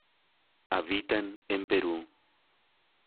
Habitan en Perú.